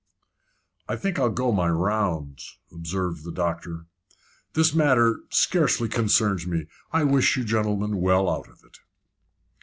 "I think I'll go my rounds," observed the doctor. "This matter scarcely concerns me. I wish you gentlemen well out of it."